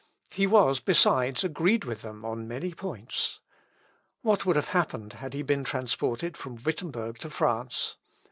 He was, besides, agreed with them on many points. What would have happened had he been transported from Wittemberg to France?